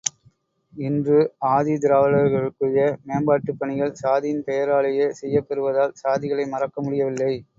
இன்று ஆதி திராவிடர்களுக்குரிய மேம்பாட்டுப் பணிகள் சாதியின் பெயராலேயே செய்யப் பெறுவதால் சாதிகளை மறக்க முடியவில்லை.